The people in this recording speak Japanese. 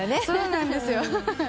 そうなんですよ。